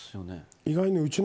意外にうちの。